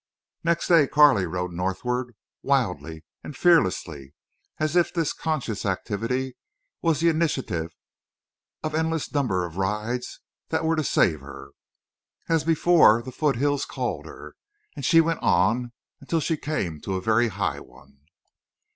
Next day Carley rode northward, wildly and fearlessly, as if this conscious activity was the initiative of an endless number of rides that were to save her. As before the foothills called her, and she went on until she came to a very high one.